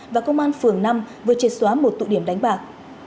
và công an phường năm vừa triệt xóa một tụ điểm đánh bạc